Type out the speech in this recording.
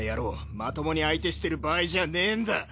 まともに相手してる場合じゃねえんだ！